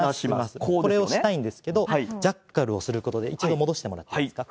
これをしたいでしょうけれども、ジャッカルをすることで、一度戻してもらっていいですか。